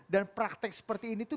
dan praktek seperti ini itu